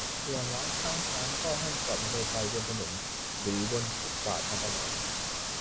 ส่วนร้านข้างทางก็ให้จอดมอไซค์บนถนนหรือบนฟุตบาทมาตลอด